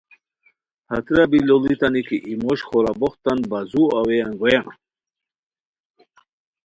ہتیرا بی لوڑیتانی کی ای موش خورا بوختان بازوؤ اَوے انگویان